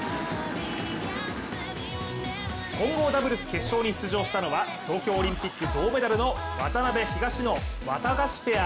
混合ダブルス決勝に出場したのは東京オリンピック銅メダルの渡辺・東野、わたがしペア。